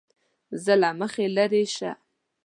زه له مخې لېرې شه!